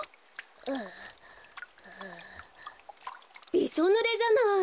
びしょぬれじゃない！